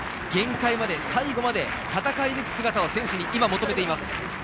限界まで最後まで戦い抜く姿を選手に今、求めています。